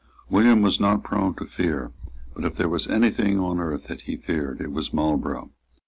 William was not prone to fear; but, if there was anything on earth that he feared, it was Marlborough.